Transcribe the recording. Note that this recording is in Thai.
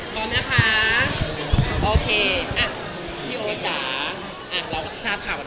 พี่อะไรอยากจะพูด